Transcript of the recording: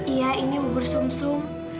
iya ini bubersum sum